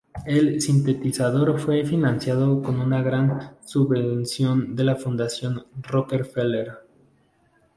El sintetizador fue financiado con una gran subvención de la Fundación Rockefeller.